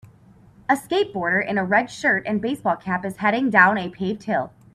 A skateboarder in a red shirt and baseball cap is headed down a paved hill.